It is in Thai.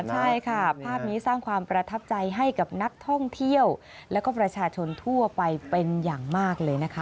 ใช่ค่ะภาพนี้สร้างความประทับใจให้กับนักท่องเที่ยวและก็ประชาชนทั่วไปเป็นอย่างมากเลยนะคะ